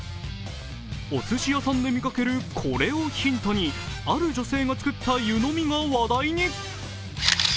おすし屋さんで見かけるこれをヒントにある女性が作った湯飲みが話題に。